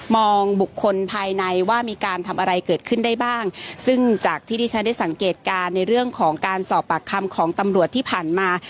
บุคคลภายในว่ามีการทำอะไรเกิดขึ้นได้บ้างซึ่งจากที่ที่ฉันได้สังเกตการณ์ในเรื่องของการสอบปากคำของตำรวจที่ผ่านมา